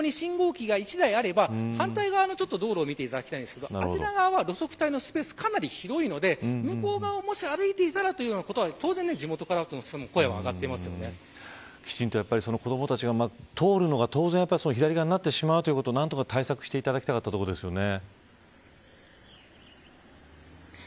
なので、だからこそここに信号機が１台あれば反対側の道路を見ていただきたいんですがあちら側は路側帯のスペースかなり広いので、向こう側をもし歩いていたら、ということは当然、地元からもきちんと子どもたちが通るのが当然左側になってしまうということを何とか対策してほしかったところですよね。